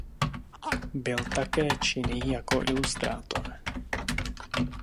Byl také činný jako ilustrátor.